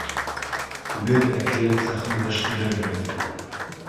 Беҙ әкиәт сәхнәләштерербеҙ.